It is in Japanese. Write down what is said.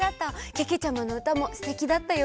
けけちゃまのうたもすてきだったよ！